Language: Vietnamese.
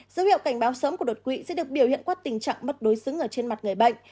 dữ liệu cảnh báo sớm của đột quỵ sẽ được biểu hiện qua tình trạng mất đối xứng ở trên mặt người bệnh